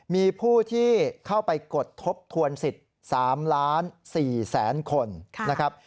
มีผู้ที่เข้าไปกดทบทวนสิทธิ์๓ล้าน๔แสนคนนะครับ